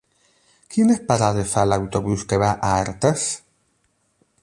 Quines parades fa l'autobús que va a Artés?